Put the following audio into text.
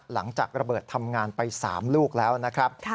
หลังจากระเบิดทำงานไป๓ลูกแล้วนะครับ